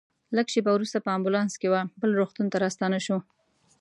لږ شېبه وروسته په امبولانس کې وه بل روغتون ته راستانه شوو.